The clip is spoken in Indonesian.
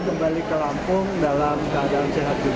kita kementerian andama fokus pada pelayanan jamaah haji lampung